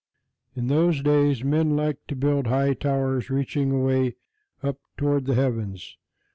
In those days men liked to build high towers reaching away up toward the heavens.